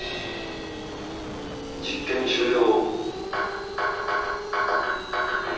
実験終了！